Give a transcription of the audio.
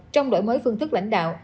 trong đổi mới phương thức lãnh đạo